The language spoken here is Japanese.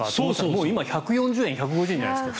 もう今１４０円１５０円じゃないですか。